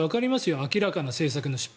明らかな政策の失敗。